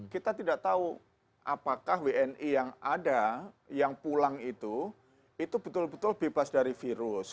kita tidak tahu apakah wni yang ada yang pulang itu itu betul betul bebas dari virus